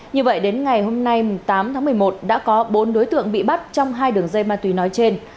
như vậy đến ngày tám một mươi một đã có bốn đối tượng bị bắt trong hai đường dây ma túy nói trên